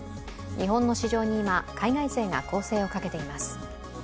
日本の市場に今、海外勢が攻勢をかけています。